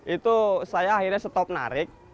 itu saya akhirnya stop narik